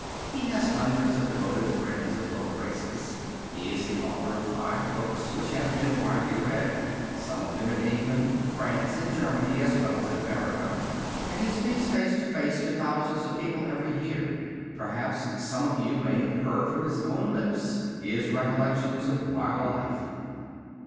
He has hundreds of devoted friends of both races. He is the author of five books which have been widely read, some of them in England, France and Germany as well as in America, and he speaks face to face to thousands of people every year. Perhaps some of you have heard from his own lips his recollections of wild life.